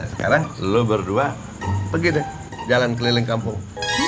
sekarang lo berdua pergi deh jalan keliling kampung